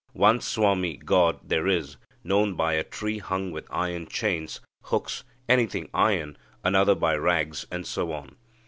One swami (god) there is, known by a tree hung with iron chains, hooks anything iron; another by rags, and so on.